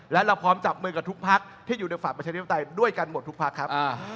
และเราพร้อมจับมือกับทุกพักที่อยู่ในฝั่งประชาธิปไตยด้วยกันหมดทุกพักครับ